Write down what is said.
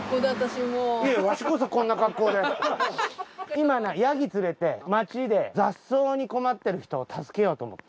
今なヤギ連れて町で雑草に困ってる人助けようと思って。